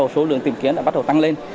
số lượng tìm kiến đã bắt đầu tăng lên